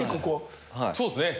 そうですね。